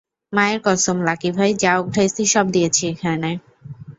মায়ের কসম, লাকি ভাই, যা উঠাইছি সব দিয়েছি এইখানে।